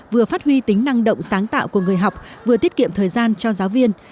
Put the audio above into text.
vừa phát huy tính năng động sáng tạo của người học vừa tiết kiệm thời gian cho giáo viên